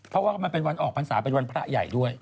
เพราะว่ามันเป็นวันออกพรรษาเป็นวันพระใหญ่ด้วย